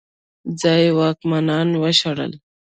ځايي واکمنان وشړل.